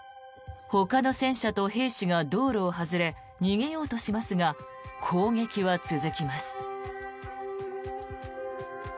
ほかの戦車と兵士が道路を外れ逃げようとしますが攻撃は続きます。